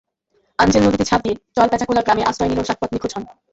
আনজেল নদীতে ঝাঁপ দিয়ে চরপেঁচাকোলা গ্রামে আশ্রয় নিলেও সাখাওয়াত নিখোঁজ হন।